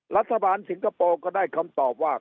สิงคโปร์ก็ได้คำตอบว่า